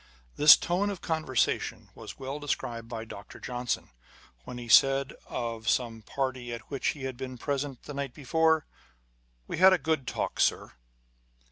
This tone of conversation was well described by Dr. Johnson, when he said of some party at which he had been present the night before â€" " We had a good talk, sir